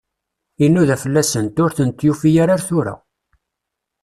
Inuda fell-asent, ur tent-yufi ara ar tura.